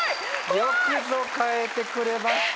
よくぞ変えてくれました。